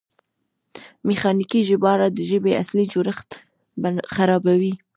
میخانیکي ژباړه د ژبې اصلي جوړښت خرابوي.